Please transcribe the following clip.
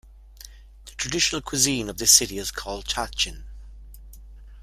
The traditional cuisine of the city is called Tahchin.